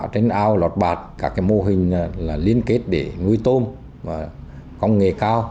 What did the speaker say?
trên ao lọt bạt các mô hình liên kết để nuôi tôm công nghệ cao